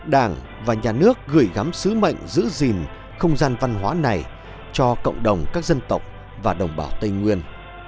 đảng và nhà nước gửi gắm sứ mệnh giữ gìn không gian văn hóa này cho cộng đồng các dân tộc và đồng bào tây nguyên